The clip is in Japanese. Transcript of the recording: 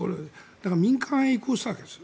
だから民間へ移行したわけです。